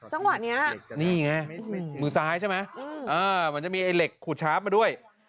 ช่วยเสิร์ฟอีกแรงนี่ไงมือซ้ายใช่ไหมมันจะมีไอ้เหล็กขุดช้าปมาด้วย